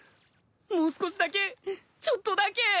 もう少しだけちょっとだけ。